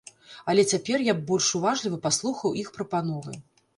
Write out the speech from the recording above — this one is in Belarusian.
Але цяпер я б больш уважліва паслухаў іх прапановы.